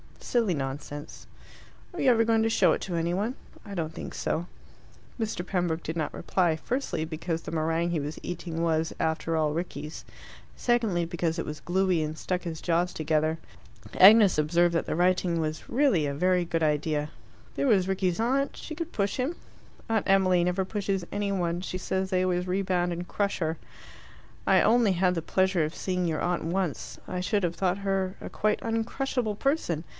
"Silly nonsense." "Are you ever going to show it to any one?" "I don't think so." Mr. Pembroke did not reply, firstly, because the meringue he was eating was, after all, Rickie's; secondly, because it was gluey and stuck his jaws together. Agnes observed that the writing was really a very good idea: there was Rickie's aunt, she could push him. "Aunt Emily never pushes any one; she says they always rebound and crush her." "I only had the pleasure of seeing your aunt once. I should have thought her a quite uncrushable person.